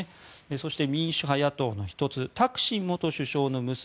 そして、民主派野党の１つタクシン元首相の娘